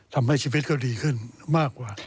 ทำให้ชีวิตก็ดีขึ้นมากกว่า